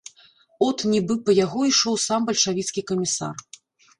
От, нібы па яго ішоў сам бальшавіцкі камісар.